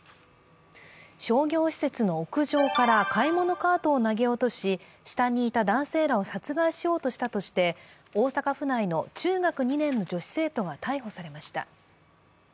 商業施設の屋上から買い物カートを投げ落とし、下にいた男性らを殺害しようとしたとして大阪府内の中学２年の女子生徒が逮捕されました。